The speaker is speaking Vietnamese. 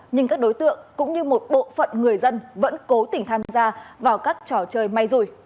nhưng các đối tượng cũng như một bộ phận người dân vẫn cố tình tham gia vào các trò chơi may rủi